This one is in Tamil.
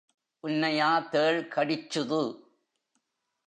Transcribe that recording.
உன்னையா தேள் கடிச்சுது?